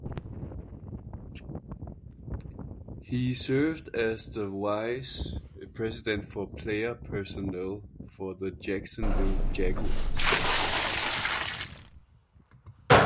He served as the vice president for player personnel for the Jacksonville Jaguars.